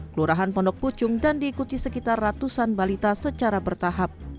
kelurahan pondok pucung dan diikuti sekitar ratusan balita secara bertahap